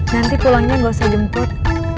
nanti pulangnya gak usah jemput